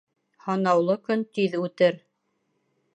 Һанаулы көн тиҙ үтер.